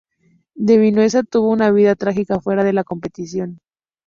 De Vinuesa tuvo una vida trágica fuera de competición.